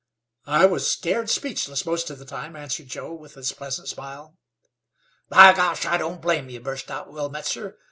"I was scared speechless most of the time," answered Joe, with his pleasant smile. "By gosh, I don't blame ye!" burst out Will Metzar.